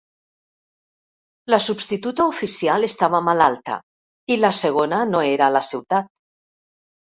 La substituta oficial estava malalta i la segona no era a la ciutat.